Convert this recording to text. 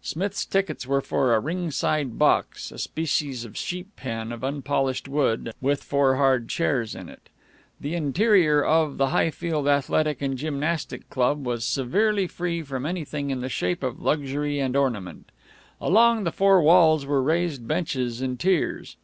Smith's tickets were for a ring side box, a species of sheep pen of unpolished wood, with four hard chairs in it. The interior of the Highfield Athletic and Gymnastic Club was severely free from anything in the shape of luxury and ornament. Along the four walls were raised benches in tiers.